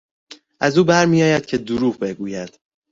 از او بر میآید که دروغ بگوید.